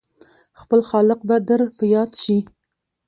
خپل خالق به در په ياد شي !